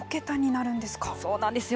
そうなんですよ。